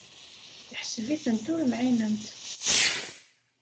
Yeḥseb-itent ur mɛinent.